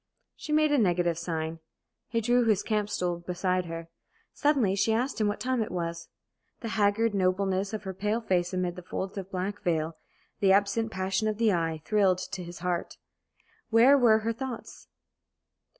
She made a negative sign. He drew his camp stool beside her. Suddenly she asked him what time it was. The haggard nobleness of her pale face amid the folds of black veil, the absent passion of the eye, thrilled to his heart. Where were her thoughts?